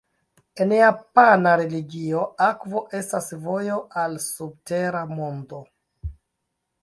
En japana religio, akvo estas vojo al subtera mondo.